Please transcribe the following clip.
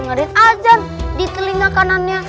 dengerin azan di telinga kanannya